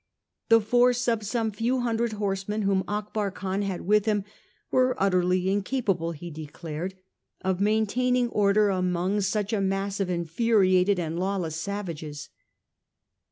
The force of some few hundred horsemen whom Akbar Khan had with him were utterly incapable, he declared, of maintaining order among such a mass of infuriated and lawless savages.